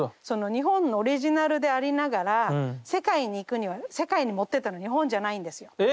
その日本のオリジナルでありながら世界に行くには世界に持ってったの日本じゃないんですよ。